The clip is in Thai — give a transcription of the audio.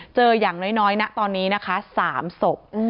อย่างน้อยนะตอนนี้นะคะ๓ศพ